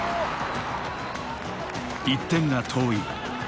１点が遠い。